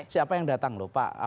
siapa yang datang loh pak